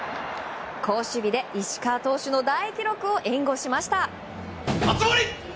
好守備で石川投手の大記録を援護しました。